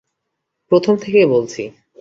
প্রথম থেকে বলছি।